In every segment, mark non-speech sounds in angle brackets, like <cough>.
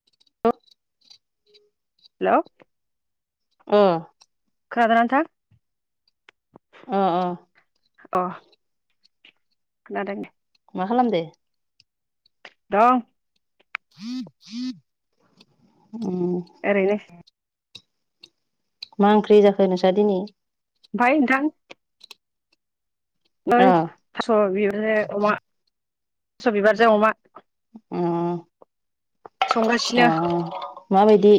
<inaudible> हेल' अ खोनादोना नोंथां? अ अ। अ खोनादों मा खालामदो दं उम। ओरैनो मा ओंख्रि जाखो नोंस्रा दिनै ओमफ्राय नोंथां अ थास' बिबारजों अमा थास' बिबारजों अमा उम संगासिनो उम माबायदि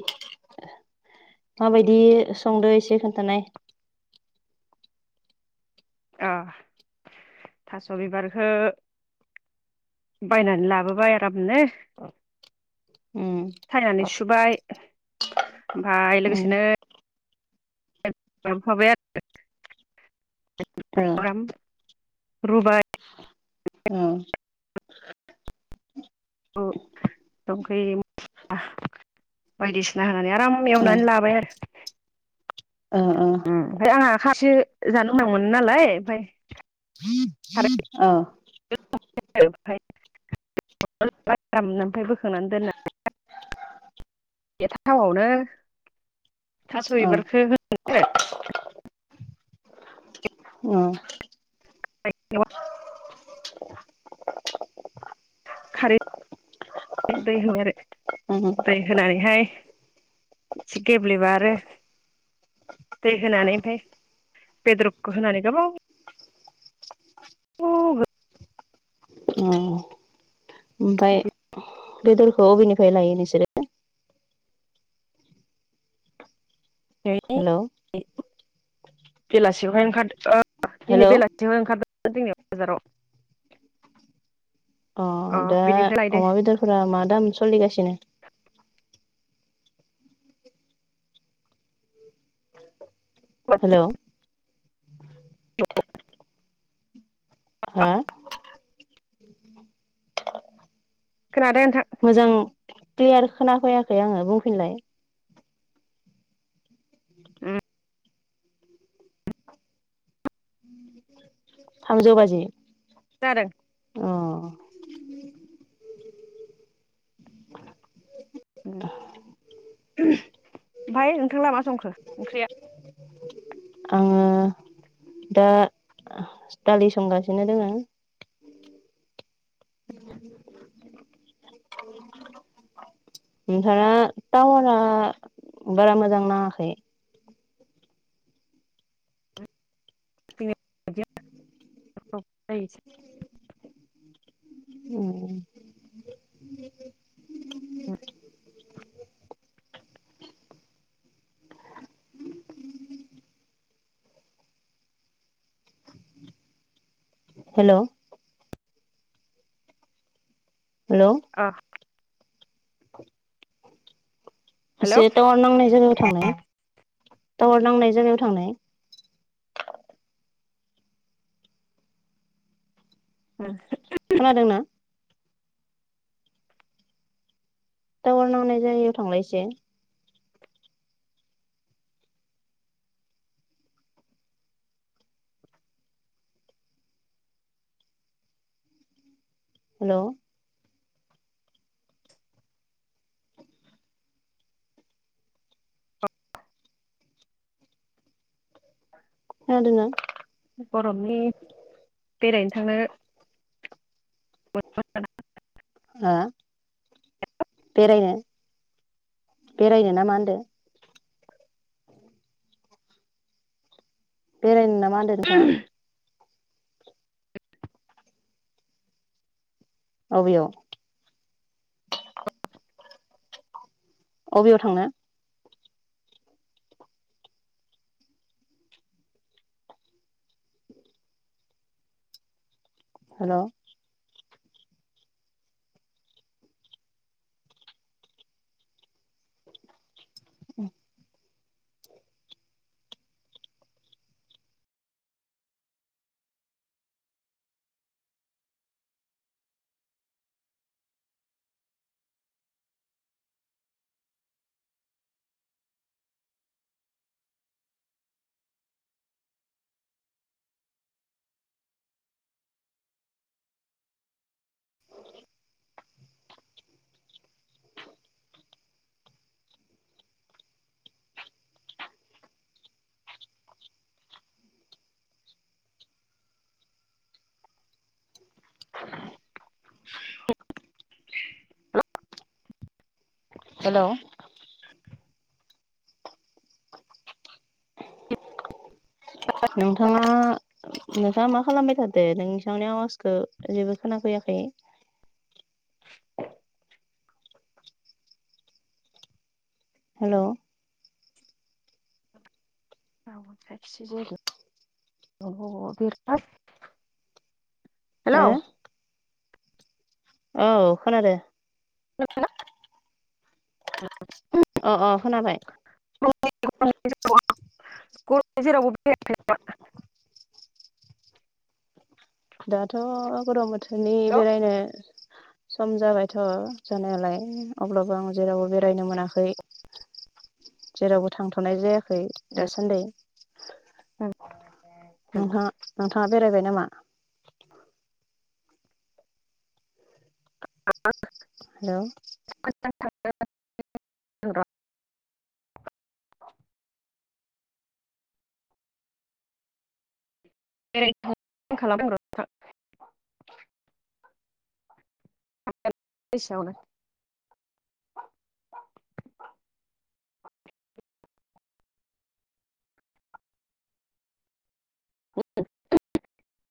माबायदि संदो एसे खोन्थानाय अ थास' बिबारखौ बायनानै लाबोबाय आरामनो उम सायनानै सुबाय ओमफ्राय उम लोगोसेनो खालामफाबाय आरो रबाय उम संख्रि मस्ला बायदिसिना होनानै आराम ओ एवनानै लाबाय आरो ओ ओ ओमफ्राय आंहा खासे जानो मोजां मोनो नालाय ओमफ्राय खारै औ। <unintelligible> बोखांनानै दोनना एथ थावावनो थास' ओ बिबारखो हो उम <inaudible> खारै दै हो- आरो उम दै होनानैहाय एसे गेब्लेबा आरो दै होनानै ओमफाय बेदरखौ होनानै गोबाव उम ओमफाय बेदरखौ अबेनिफ्राय लायो नोंसोरो? <inaudible> हेल'। बेलासियावहाय ओंखारदो दिनै हेलौ बेलासि ओंखारदों जोंनि बाजाराव। अ दा बिनिफ्राय लायदो अमा बेदरफोरा मा दाम सोलिगासिनो हेल' <inaudible> हा खोनादों नोंथां। मोजां क्लियार खोनाफैयाखै आङो बुंफिनलाय ओ थामजौ बाजि जादों अ। ओमफाय नोंथां लाहा मा संखो ओंख्रिया? आङो दा दालि संगासिनो दोङो। <inaudible> नोंथांना टावारा बारा मोजां नाङाखै। <unintelligible> उम अम हेल'। हेल' अ। हेलौ एसे टावार नांनाय जायगायाव थांनाय टावार नांनाय जायगायाव थांनाय। <unintelligible> खोनादों ना? टावार नांनाय जायगायाव थांलाय एसे। हेलौ खोनादोना? बरफनि बेरायनो थांनो <inaudible> हो? बेरायनो बेरायनो ना मा होनदो? बेरायनो ना मा होनदो नोंथां? औ बेयाव बबेयाव थांनो? हेल'। <unintelligible> <unintelligible> हेलौ नोंथाङा नोंङा मा खालामबाय थादो? नोंथांनि आवाजखो जेबो खोनाफैयाखै <inaudible> हेल'। औ <unintelligible> हो हेलौ? औ खोनादो <unintelligible> <unintelligible> अ अ खोनाबाय <unintelligible> दाथ' गरम बोथोरनि बेरायनो सम जाबायथ' जानायालाय अब्लाबो आं जेरावबो बेरायनो मोनाखै। जेरावबो थांथ'नाय जायाखै दासान्दि। ओं नोंथाङा नोंथाङा बेरायबाय नामा? <unintelligible> हेलौ? <inaudible> <unintelligible> <unintelligible> <unintelligible>